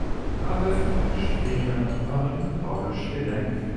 Gabel und Schwinge waren hydraulisch gedämpft.